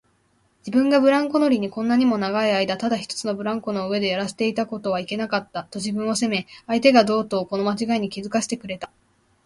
自分がブランコ乗りにこんなにも長いあいだただ一つのブランコの上でやらせていたことはいけなかった、と自分を責め、相手がとうとうこのまちがいに気づかせてくれた